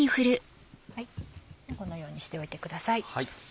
このようにしておいてください。